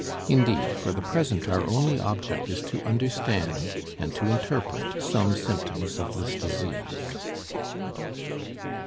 Indeed, for the present our only object is to understand and to interpret some symptoms of this disease.